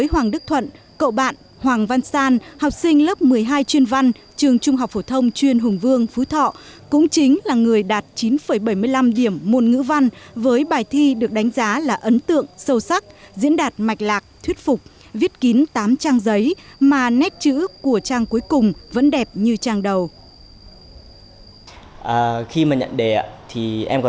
hoàng đức thuận học sinh trường trung học phổ thông chuyên hùng vương phú thọ là người duy nhất đạt điểm tuyệt đối môn toán một mươi điểm của tỉnh phú thọ